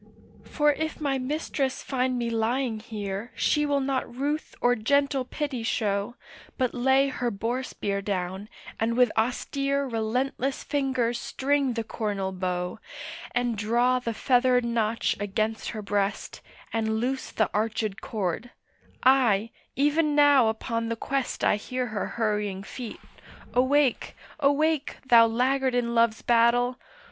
For if my mistress find me lying here She will not ruth or gentle pity show, But lay her boar spear down, and with austere Relentless fingers string the cornel bow, And draw the feathered notch against her breast, And loose the archèd cord; aye, even now upon the quest I hear her hurrying feet,—awake, awake, Thou laggard in love's battle!